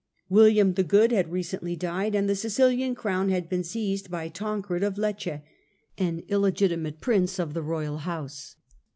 William the Good had recently died, and the Sicilian crown had been seized by Tancred of Lecce, an illegitimate prince of the royal house.